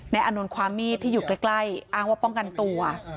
อานนท์ความมีดที่อยู่ใกล้อ้างว่าป้องกันตัว